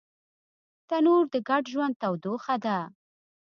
تنور د ګډ ژوند تودوخه ده